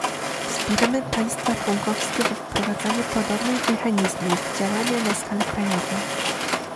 Wspieramy państwa członkowskie we wprowadzaniu podobnych mechanizmów działania na skalę krajową